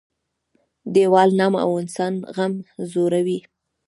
- دیوال نم او انسان غم زړوي.